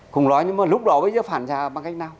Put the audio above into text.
cùng nói nhưng mà lúc đó mới phản xa bằng cách nào